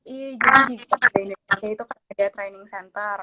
iya jadi indonesia itu kan ada training center